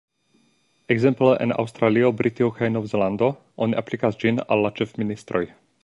Ekzemple en Aŭstralio, Britio kaj Novzelando oni aplikas ĝin al la ĉefministroj.